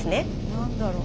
何だろう？